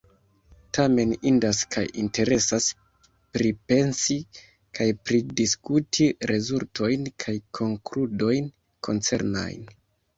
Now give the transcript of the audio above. Tamen indas kaj interesas pripensi kaj pridiskuti rezultojn kaj konkludojn koncernajn.